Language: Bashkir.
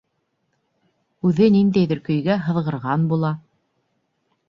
Үҙе ниндәйҙер көйгә һыҙғырған була.